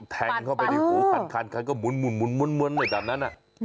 แทงเข้าไปในหูปัดคันก็หมุนหมุนหมุนหน่อยจากนั้น